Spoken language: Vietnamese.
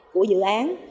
của dự án